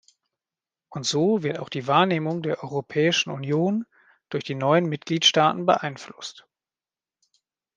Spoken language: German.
Und so wird auch die Wahrnehmung der Europäischen Union durch die neuen Mitgliedstaaten beeinflusst.